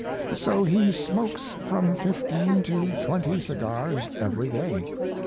So he smokes from fifteen to twenty cigars every day.